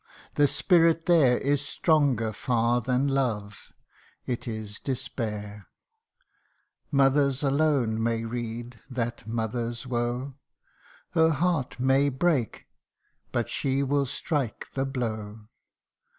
the spirit there Is stronger far than love it is despair ! Mothers alone may read that mother's woe : Her heart may break but she will strike the blow.